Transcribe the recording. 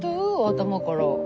頭から。